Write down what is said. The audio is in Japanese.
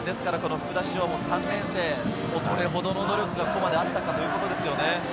福田師王も３年生、どれほどの努力がここまであったかということですよね。